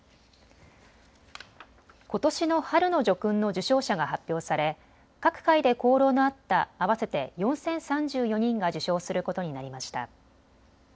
ことしの春の叙勲の受章者が発表され各界で功労のあった合わせて４０３４人が受章することになりました。